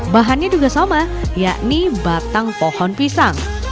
bahannya juga sama yakni batang pohon pisang